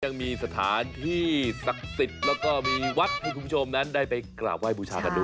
ยังมีสถานที่ศักดิ์สิทธิ์แล้วก็มีวัดให้คุณผู้ชมนั้นได้ไปกราบไห้บูชากันด้วย